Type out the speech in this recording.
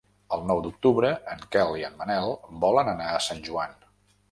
El nou d'octubre en Quel i en Manel volen anar a Sant Joan.